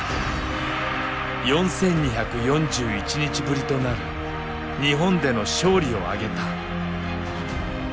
４２４１日ぶりとなる日本での勝利をあげた。